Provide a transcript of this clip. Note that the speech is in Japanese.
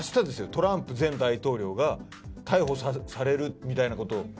トランプ前大統領が逮捕される、みたいなことを。